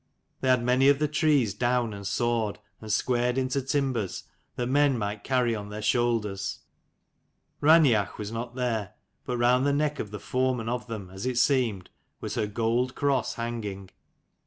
They had many of the trees down, and sawed, and squared into timbers, that men might carry on their shoulders. Raineach was not there ; but round the neck of the foreman of them, as it seemed, was her gold cross hanging.